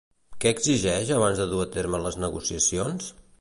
Què exigeix abans de dur a terme les negociacions?